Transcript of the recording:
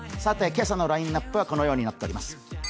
今朝のラインナップはこのようになっております。